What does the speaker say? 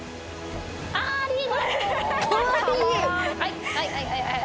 はいはいはいはい。